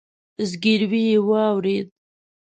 ځګيروی يې واورېد.